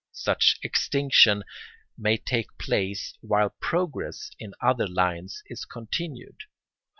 Such extinction may take place while progress in other lines is continued.